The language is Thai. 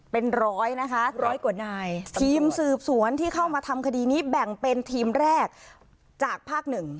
เป็นร้อยนะคะร้อยกว่านายทีมสืบสวนที่เข้ามาทำคดีนี้แบ่งเป็นทีมแรกจากภาคหนึ่ง